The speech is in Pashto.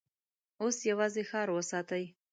اوس يواځې ښار وساتئ!